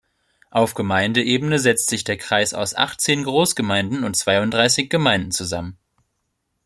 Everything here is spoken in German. Auf Gemeindeebene setzt sich der Kreis aus achtzehn Großgemeinden und zweiunddreißig Gemeinden zusammen.